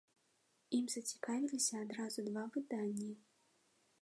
Ім зацікавіліся адразу два выданні.